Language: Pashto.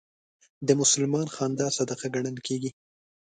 د مسلمان خندا صدقه ګڼل کېږي.